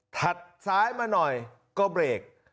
ซ้ายมาหน่อยก็เบรก